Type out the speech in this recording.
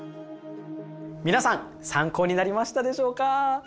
皆さん参考になりましたでしょうか？